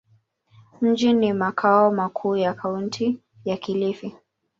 Mji ni makao makuu ya Kaunti ya Kilifi.